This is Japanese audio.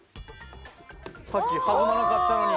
さっき弾まなかったのに。